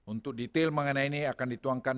untuk detail mengenai ini akan dituangkan